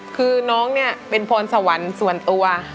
คือน้องเนี่ยเป็นพรสวรรค์ส่วนตัว